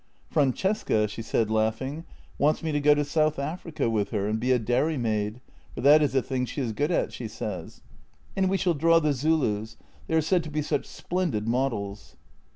Francesca," she said, laughing, " wants me to go to South Africa with her and be a dairy maid, for that is a thing she is good at, she says. And we shall draw the Zulus; they are said to be such splendid models."